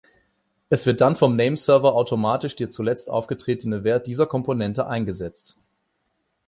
Es wird dann vom Nameserver automatisch der zuletzt aufgetretene Wert dieser Komponente eingesetzt.